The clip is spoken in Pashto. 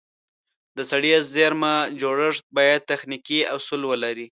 د سړې زېرمه جوړښت باید تخنیکي اصول ولري.